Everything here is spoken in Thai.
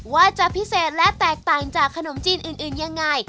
ว่าจะพิเศษและแตกต่างจากขนมจีนอื่นยังไง